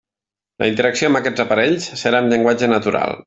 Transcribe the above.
La interacció amb aquests aparells serà amb llenguatge natural.